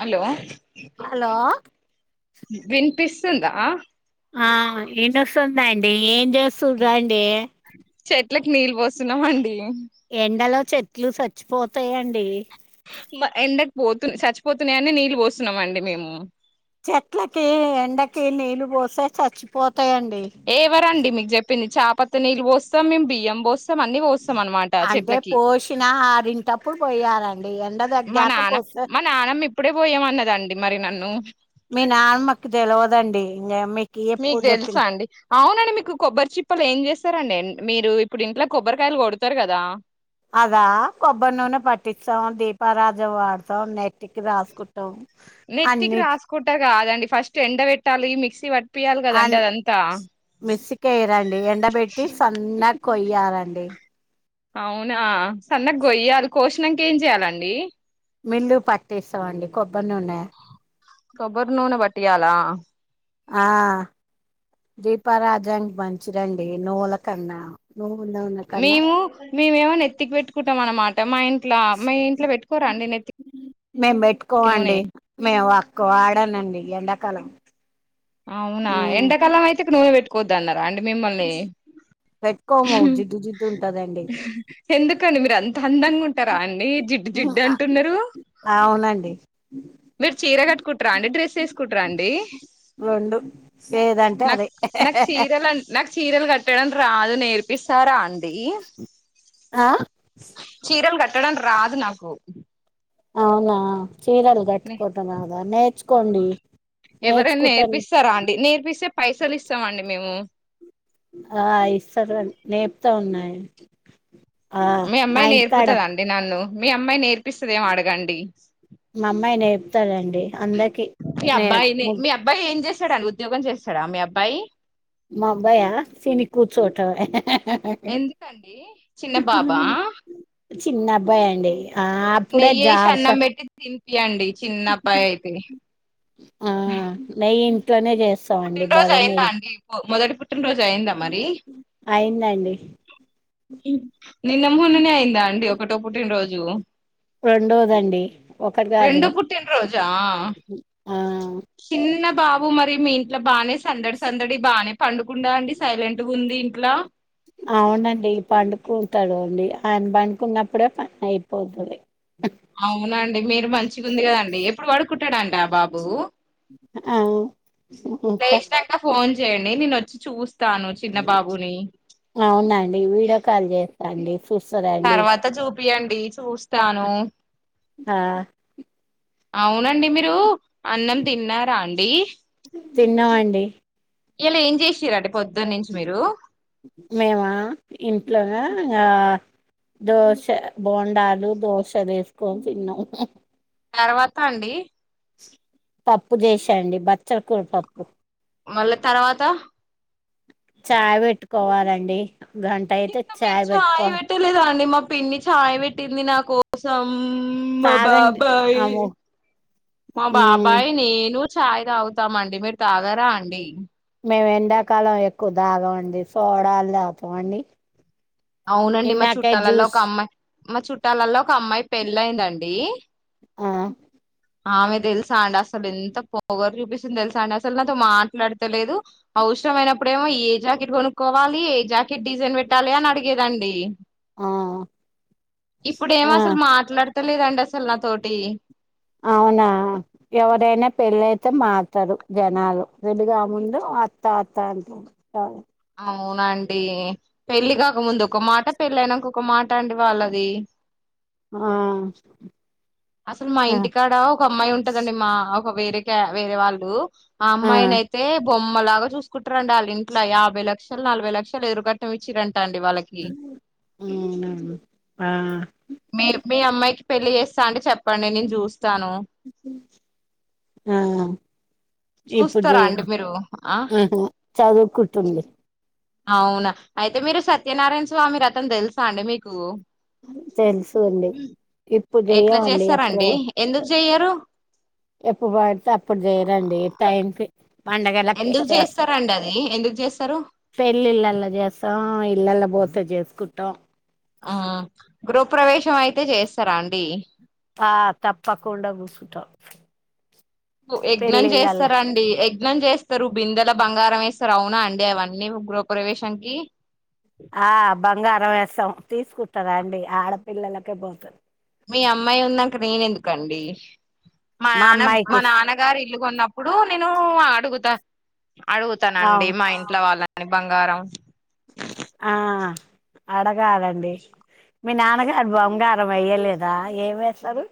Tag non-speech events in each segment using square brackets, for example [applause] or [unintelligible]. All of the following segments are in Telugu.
హలో హలో వినిపిస్తుందా ఆ ఇన్నస్తుందండి ఏం చేస్తు్రండి చెట్లకి నీళ్ళు పోస్తున్నామండి ఎండలో చే [unintelligible] చచ్చిపోతాయండి ఎండకు పోతు చచ్చిపోతున్నాయని నీళ్ళు పోస్తున్నాం అండి మేము చెట్లకి ఎండకి నీళ్లు పోసే చచ్చిపోత ఎవరండి మీకు చెప్పింది చప [unintelligible] నీళ్లు పోస్తాం బియం పాస్ అంటే పోషిన ఆరింటప్పుడు పోయేలా మా నాన్న మా నాన్నమ్ ఇప్పుడే పోయామ అన్నదండి మరి నన్ను మీ నాన్నమ్మకి తెలవదండి ఇంగ మీకు ఎప్పుడు చెప్పిన తెలుసా అండి అవునండి మీకు కొబ్బరి చిప్పలు ఏం చేస్తారండి ఎండ మీరు ఇప్పుడు ఇంట్లో కొబ్బరికాయలు కొడతారు కదా అదా కొబ్బరి నూనె పట్టిస్తాం దీపారాధనకి వాడతాం నెట్ [unintelligible] రాసుకుంటాం నెత్తికి అన్నిటి రాసుకుంటారు కాదండి ఫస్ట్ ఎండ పెట్టాలి మిక్సీ పట్టిపియాలి అ కదండి అదంతా మిస్సిక వేయరండి ఎండబెట్టి సన్న కొయ్యారండి అవునా సన్నగా కోయ్యాలి కోసినాక ఏం చెయాలండి మిల్లు పటటిస్తామండి కొబ్బరి నూనె కొబ్బర్ నుూన పట్టియాల ఆ దీపారాజానికి మంచిదండి నూల కన్నా. నువ్వుల నూనె కన్నా మేము మేమేమో నెత్తికి పెట్టుకుంటాం అన్నమాట [unintelligible] ఇంట్లో పెట్టుకోరా అండి నెత్తికి మేము నూనె పెట్టుకోవండి మేము అకు ఆడనండి ఎండకాలం అవునా ఎండకాలం అయితే నునె వెట్ కోదాన్న రండి మిమ్మల్ని పెట్టుకోము జిడ్డు జిడ్డు ఉంటదండి ఎందుకు కానీ మీరు అంత అందంగా ఉం టార అండి జిడ్డు ఉమ్ జిడ్డు అ అంటున్నారు అవునండి మీరు చీర కట్టుకుంటార అండి డ్రెస్ వేసుకుంటార అండి రెండు ఏదంటే నాకు అదే నాకు చీరలు నాకు చీరలు కట్టడం రాదు నేర్పిస్తార అం ఆ చీరలు కట్టడం రాదు నాకు అవునా చీరలు నే కట్టుకోవటం రాదా నేర్చుకోండి ఎవరైనా నేర్చుకుంటాను నేర్పిస్తారా అండి నేర్పిస్తే పైసలు ఇస్తామండి మేము ఆ ఇస్తార అండి నేపుతా ఉన్నాయి ఆ మీ మా అమ్మాయి ఇంటికాడ నేర్పుతదా అండి నన్ను మీ అమ్మాయి నేర్పిస్తదేమో అడగండి మా అమ్మాయి నేర్పుతాదండి ‌అందరికి నేర్ ముగ్గు డ ఉద్యోగం చేస్తాడా మీ అబ్బాయి మా అబ్బాయా తిని కూర్చోవటమే ఎందుకండి చిన్న బాబా చిన్న అబ్బాయి అండి ఆ అప్పుడే నెయ్యేసి జాబ్ అన్నం క పెట్టి తినిపియండి చిన్నబ్బాయి అయితే ఆ లైక్ ఇంట్లోనే చేస్తా పుట్టినరోజు అయిందా అండి మొదటి పుట్టినరోజు అయిందా మరి అయిందండి నిన్న మొన్ననే అయిందా అండి ఒకటో పుట్టిన రోజు రెండోదండి ఒకటి కాదు రెండో పుట్టినరోజా ఆ మీన్ ఇ బానే సేల్ సందడ సందడి బానే పండుకుండా అండి సైలెంట్గా ఉంది ఇంట్లా అవునండి పండుకుంటాడు అండి, ఆయన పండుకున్నప్పుడే పని అయిపోతాది అవునండి మీరు మంచిగుంది కదండి ఎప్ ఇప్పుడు పడుకుంట్ ఉంటడంట బాబు అ ప్లే లిస్ట్ అంట ఫోన్ చేయండి నేను వచ్చి చూస్త్ అవునండి వీడియో కాల్ చేస్తాండి చూస్తాదండి. చూపి అండి చూస్‌ స్తాను ఆ అవునండి మీరు అన్నం తిన్నారా అండి తిన్నామండి ఇయాల ఏం చేసిండ్రు అండి మేమా ఇంట్లోనే ఇంగా దోశ బోండాలు దోశ వేసుకొని తిన్నాం తర్వాత అండి పప్పు చేసాండి బచ్చల కూర పప్పు మళ్ళా తర్వాత చాయ్ పెట్టుకోవాలండి గంట అయితే ఇంకా మీరు చాయ్ పెట్టుకోవాలి పెట్టలేదా అండి మా పిన్ని చాయ్ పెట్టింది నాకు కోసం మా తాగండి బాబాయి అమో మా మ్మ్ బాబాయి నేను ఛాయ తవుతాము అండి మీరు తాగరా అండి మేము ఎండాకాలం ఎక్కువ తాగమండి సోడాలు తాతాంండి అవునండి మా చుట్టాలలో ఒక అమ్మాయి మ చుట్ట ట్టలలో ఒక అమ్మాయి పెళ్ళి అయిందండి ఆ ఆమె తెలుసా అండి అసలు ఎంత పొగరు చూపిస్తుంది తెలుసా అండి అసలు నాతో మాట్లాడతలేదు అవసరం అయినప్పుడ ఏమో ఏ జాకెట్ కొనుక్కోవాలి ఏ జాకెట్ డిజైన్ పెట్టాలి అని అడిగేదండి ఆ ఇప్పుడు ఏమో ఆ అసలు మాట్లాడతలేదు లేదండి అసలు నా తోటి అవునా ఎవరైనా పెళ్ళయితే మారుతారు జనాలు పెళ్లి కాక ముందు అత్త అత్త అంట అవునండి పెళ్లి కాకముందు ఒక మాట పెళ్ళైనక ఒక మాట అండి వాళ్ళది ఆ అసలు మా ఆ ఆ ఇంటికాడ ఒక అమ్మాయి ఉంటదండి మా ఒక వేరేక వేరే వాళ్ళు ఆ అమ్మాయిని అయితే కొమ్మలాగా చూసుకుంటారండి వాళ్ళ ఇంట్లో యాభై లక్షలు నలభై లక్షలు ఎదురుకట్నం ఇచ్చిరండి వాళ్ళకి అవునా ఆ మీ అమ్మాయికి పెళ్లి చేస్ [unintelligible] చెప్పండి నేను చూస్త ఆ ఇప్పుడు చూస్తారా అండి చేయము మీరు ఆ ఆహ చదువుకుంటుంది అవునా అయితే మీరు సత్యనారాయణ స్వామి రతం తెలుసా అండి మీకు తెలుసు అండి ఇప్పుడు చెయమండి ఎప్పుడో చెయరు ఎప్పుడు పడితే అప్పుడు చేయరండి టైంకి పండగలకే ఎందుకు చేస్తాం చేస్తారండి అది ఎందుకు చేస్తారు పెళ్ళిళ్ళలో చేస్తాం ఇళ్లలో పోస్ త చేసుకుంటం ఆ గృహ ప్రవేశం అయితే చేస్తారా అండి ఆ తప్పకుండా కూసుంటాం యజ్ఞం పెళ్ళిళ్ళలా చేస్తారండి యగ్ యజ్ఞం చేస్తారు బిందెల బంగారం వేస్తారు అవునా అండి అవన్నీ గృహప్రవేశాంకి ఆ బంగారు వేశం తీసుకుంటారా అండి ఆడపిల్లలకే పోతది మీ అమ్మాయి ఉన్నాక నేను ఎందుకండి మా నాన్న అమ్మాయికి మా ఇస్ నాన్నగారు ఇల్లు కొన్నప్పుడు నేను అడుగుతా అవు అడుగుతానండి మా ఇంట్లో వాళ్ళ కాని బంగారం ఆ అడగాల అండి మీ నాన్నగారు బంగారం వెయ్యలేదా ఏమి వేస్తారు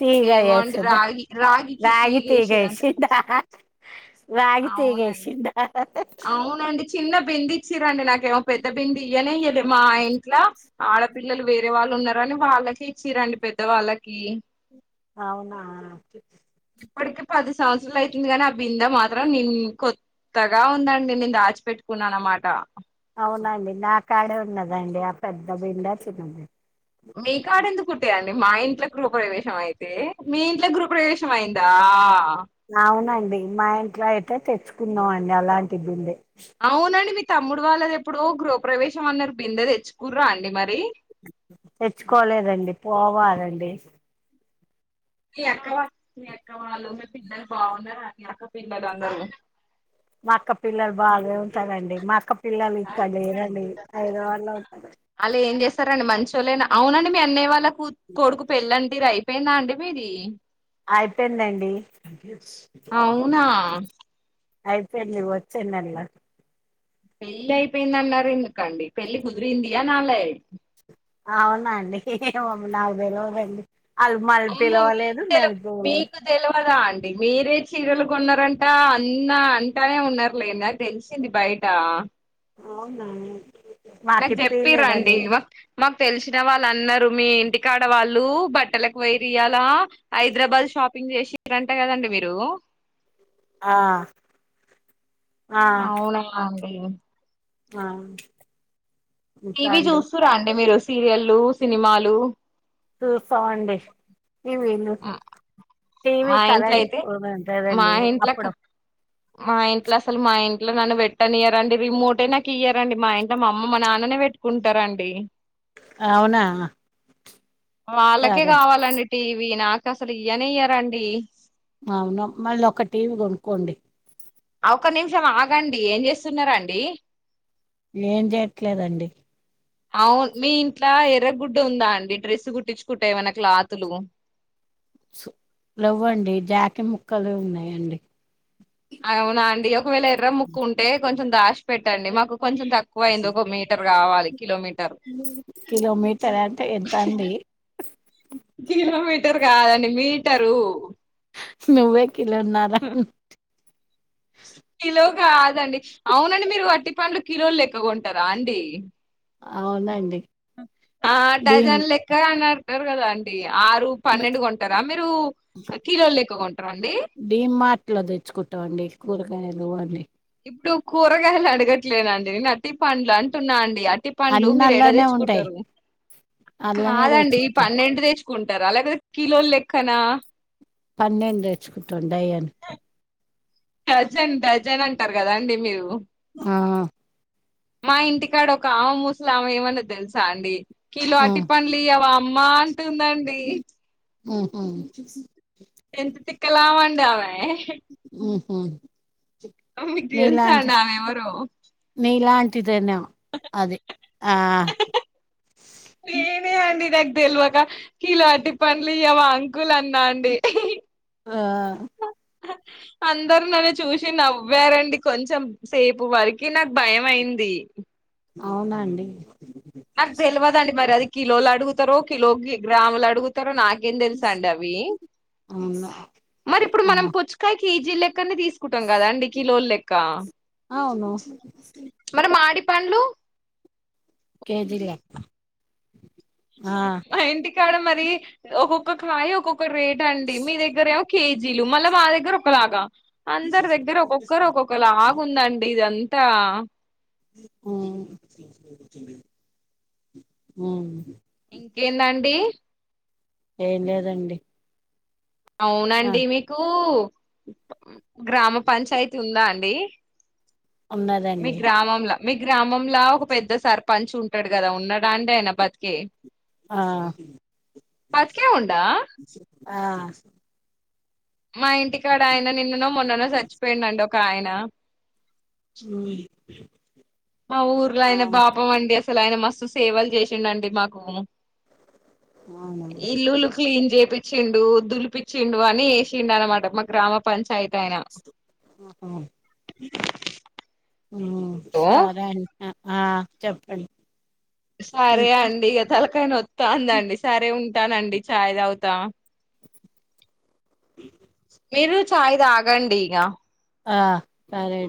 తీగ ఏమో అండి ఏసుందా రాగి రాగికి రగి తీగ తీగేసిరంట ఇసిండ రాగి తీగ అవునండి ఎసిండా అవునండి చిన్న బింది ఇచ్చరండి నాకు పెద్ద బిందా ఇయనే డియ్యనే లే మా ఇంట్లా ఆడపిల్లలు వేరే వాళ్ళు ఉన్నార అని వాళ్ళకిే ఇచ్చిరండి పెద్ద వాళ్ళకి అవునా ఇప్పటికి పది సంవత్సరాలు అయితుంది కాని ఆ బిందె మాత్రం ని కొత్తగా ఉందండి నేను దాచిపెట్టుకున్నాను అనమాట అవునండి నా కాడే ఉన్నదండి ఆ పెద్ద బింద చిన్న మీ కాడ ఎందుకుంటాయండి మా ఇంట్లో గృహప్రవేశం అయితే మీ ఇంట్లో గృహప్రవేశం అయిందా అవును అండి మా ఇంట్లో అ అంటే తెచ్చుకున్నాాం అండి అలాంటిటి బిందె అవునండి మీ తమ్ముడు వాళ్ళది ఎప్పుడో గృహప ప్రవేశం అన్నారు బిందె తెచ్చుకుర్రా అండి మరి తెచ్చుకోలేదండి పోవాలండి ఎక్క వాళ్ ఎక్క వాళ్ళు మీ పిల్లలు బాగున్నారు ఎక్క పిల్లదు అందరూ మా అక్క పిల్లలు బాగా ఉంటారంండి మా అక్క పిల్ల మీ ఇక్క లేరండి ఐదవారులో ఉంటంది సరండి మంచళ్లేనా అవునండి మీ అన్నయ వాళ్ళకు కొడుకు పెళ్ళంట అయిపోయిందా అండి మీది అయిపోయిందండి అవునా అయితేలి వచ్చనల్ పెళ్లి అయిపోయింది అన్నారు ఎందుకండి పెళ్లిి కుదిరిందియా నాల అవునా అండి నాలుభై రోలుండి అమ్మో మీకు తెల మీకు తెలివదా అండి మీరే చీరలు కొన్నారంట అన్న అంటానే ఉన్నారు లేద తెలిసింది బయట అవునా నాకు చెప్ప రండి మాకిప్పీయలేదండి మా మాకు తెలిసిన వాళ్ళు అన్నారు మీ ఇంటికా ఆడవాళ్ళు బట్టలకు వర ఇయ్యాల హైదరాబాద్ షాపింగ్ చేసిారంటే కదండి మీరు ఆ ఆ అవునా అ ఆ ఇంకా టీవీ అండి చూస్తూ రా అండి మీరు సీరియల్ లు సినిమాలు చూస్తామండి [inaudible] మా ఇంట్లో కరెంట్ అయితే మా ఉంటదండి ఇంట్ల అప్పుడప్పుడు మా ఇంట్లో అసలు మా మా ఇంట్లో నన్ను పెట్టనియారండి రిమోట్ ఏ నాకు ఇయ్యారండి మా ఇంట్లో మా అమ్మ మా నాన్ననే పెట్టుకుంటారండి అవునా వాళ్ళకే సరే కావాలండి టీవీ నాకు అసలు ఈయనే ఇయ్యరండి అవును మళ్ళీ ఒక టీవీ కొనుక్కోండి ఒక నిమిషం ఆగండి ఏం చేస్తున్నారండి ఏం చేయట్లేదండి అవు మీ ఇంట్లో ఎర్ర గుడ్డ ఉందా అండి డ్రెస్ కుట్టించుకుంటా ఏమైనా క్లాతులు లేవ్వండి జాకీ ముక్కలు ఉన్నాయండి అవునా అండి ఒకవేళ ఎర్ర ముక్కు ఉంటే కొంచె కొంచెం దాచి పెట్టండి మాకు కొంచెం తక్కువ అయింది ఒక మీటర్ కావాలి కిలోమీటర్ ఉహూ కిలోమీటర్ అంటే ఎంత అండి కిలో మీ టరు కాదండి మీటరు నువ్వే కిలో ఉన్నారా అంటే కిలో కాదండి అవునండి మీరు అట్టి పండ్లు కిలోలు లేక కొంటారా అండి అవునండి ఆ డీ డజన్ లక్క అన్నారు. కొనర అండి. ఆరు పన్నెండు కొంటారా మీరు కిలోలు లెక్క కొంటారా అండి. డీమార్ట్ లో తెచ్చుకుంటామండి కూరగాయలు అన్ని ఇప్పుడు కూరగాయలు అడగట్లేదండి నేను అరటి పండ్లు అంటున్నా అండి అర్టి అరటి పండ్లు అన్ని మీరు యాడ అల్లానే ఉంటాయి తెచ్చుకుంటారు అల్లనే కాదండి తెచ్చుకుంటాం పన్నెండు తెచ్చు కుంటారా లేకపోతే కిలోలు లెక్కనా పన్నెండు తెచ్చు రెండు డజన్లు డజన్ డజన్ అంటారు కదా అండి మీరు ఆ మా ఇంటికాడ ఒక ఆమె ముసలి ఆమె ఏమన్నది తెలుసా అండి. కిలో ఆ అరటి పండ్లు ఇయ్యవా అమ్మ అంటుందండి. ఉహూ ఎంత తిక్కలామే అండి ఆమె ఆ ఊహు మీకు తెలుసా అండి నీలాంటిది ఆమె ఎవరో నీలాంట్ పంటి ధైర్నం అది ఆ నేనే అండి దగ్ తెల్వక కిలో అరటిపండ్లు ఇయ్యావా అంకుల్ అన్నా అండి. ఆ అందరు నన్ను చూసి నవ్వారండి కొంచెం సేపు వరకి నాకు భయం అయింది. అవునండి. నాకు తెలవదండి మరి అది కిలోలు అడుగుతు తరు కిలోకి గ్రాములడుగుతరు నాకే ఏం తెలుసండి అవి. అవునా మరి ఇప్పుడు మనం పుచ్చకాయ కేజీ లెక్కనే తీసుకుంటాం కదండి కిలోల్లెక్క అవును. మాడి పండ్లు కేజీలెక్క ఆ కాడ మరి ఒకొక్క కాయి ఒకో ఒక రేట్ అండి మీ దగ్గరేమో కేజీలు మళ్ళ మా దగ్గర ఒక్కలాగా అందరి దగ్గర ఒక్కొక్కరు ఒక్కొక్క లాగుందండి ఇది తా ఊ ఊ ఇంకేందండి ఏం లేదండి ఆ అవునండి మీకూ గ్రామ పంచాయతీ ఉందా అండి ఉన్నదండి మీకు గ్రామంలా ఒక పెద్ద సర్క సర్పంచ్ ఉంటడు కదా ఉన్నాడాండి ఆయన బతికే ఆ బతికే ఉండా ఆ మా ఇంటికాడ ఆయన నిన్ననో మొన్ననో సచ్చిపోయిండండో కాయనా ఉమ్ మా ఊర్లో ఆ ఆయన పాపం అండి అసలు క్కలాయనా మస్తు సేవలు చేసిండండి మాకు అవునండి ఇల్లులు క్లీన్ జేపిచ్చిండు దులిపిచ్చిండు అన్ని ఏషిండు అన్నమాట మా గ్రామ పంచాయత్ [unintelligible] ఉహూమ్ ఓ సరై న ఆ చెప్పండి సరే ఇంకా అండి ఇగ తలకాయన నొత్తాందండి సరే ఉం టానండి చాయ్ దాగుతా మీరు చాయ్ దాగాండి ఇగా ఆ సరే